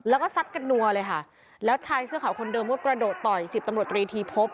แล้วก็ซัดกันนัวเลยค่ะแล้วชายเสื้อขาวคนเดิมก็กระโดดต่อยสิบตำรวจตรีทีพบ